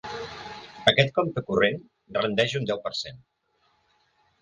Aquest compte corrent rendeix un deu per cent.